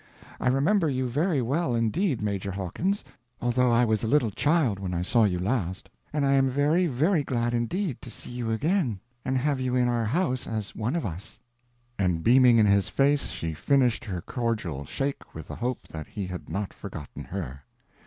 I remember you very well in deed, Major Hawkins, although I was a little child when I saw you last; and I am very, very glad indeed to see you again and have you in our house as one of us;" and beaming in his face she finished her cordial shake with the hope that he had not forgotten her.